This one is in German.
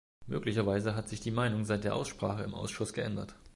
Möglicherweise hat sich die Meinung seit der Aussprache im Ausschuss geändert.